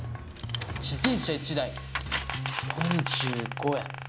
自転車１台４５円